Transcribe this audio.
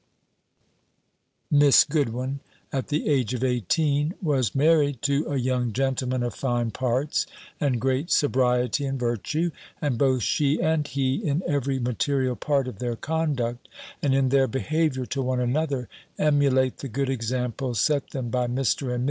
Miss GOODWIN, at the age of eighteen, was married to a young gentleman of fine parts, and great sobriety and virtue: and both she and he, in every material part of their conduct, and in their behaviour to one another, emulate the good example set them by Mr. and Mrs. B.